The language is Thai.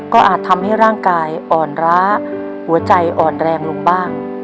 ก็อาจทำให้ร่างกายอ่อนร้าหัวใจอ่อนแรงลงบ้าง